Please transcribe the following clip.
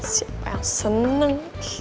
siapa yang seneng